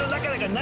何⁉